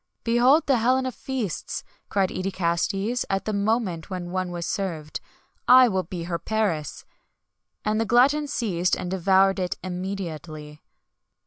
"Behold the Helen of feasts!" cried Eidicastes, at the moment when one was served; "I will be her Paris!"[XXI 123] and the glutton seized and devoured it immediately.